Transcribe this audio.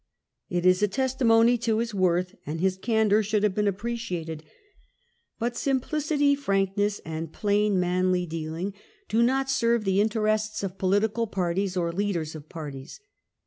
It is a testimony to his worth, and his candour should have been appreciated; but simplicity, frankness, and plain manly dealing do 244 WELLINGTON chap. not serve the interests of political parties or leaders of parties.